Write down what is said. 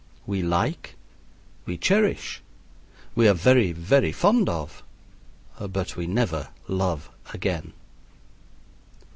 We like, we cherish, we are very, very fond of but we never love again.